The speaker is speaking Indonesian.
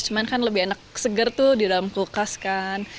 cuman kan lebih enak seger tuh di dalam kulkas kan